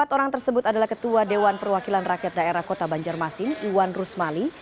empat orang tersebut adalah ketua dewan perwakilan rakyat daerah kota banjarmasin iwan rusmali